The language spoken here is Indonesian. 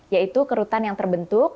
yaitu kerutan yang terbentuk